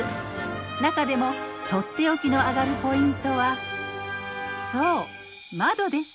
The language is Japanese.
中でもとっておきのアガるポイントはそう窓です。